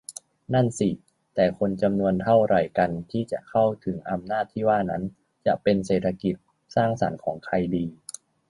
นั่นสิ แต่คนจำนวนเท่าไหร่กันที่จะเข้าถึงอำนาจที่ว่านั่น จะเป็น เศรษฐกิจสร้างสรรค์ของใครดี ?